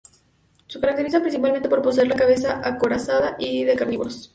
Se caracterizan principalmente por poseer la cabeza acorazada y ser carnívoros.